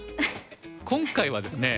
今回はですね